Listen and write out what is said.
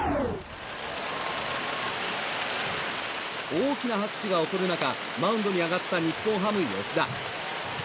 大きな拍手が送られる中マウンドに上がった日本ハム、吉田。